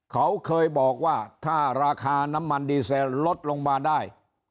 เขาเคยบอกว่าถ้าราคาน้ำมันดีเซลลดลงมาได้